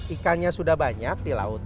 ikannya sudah banyak di laut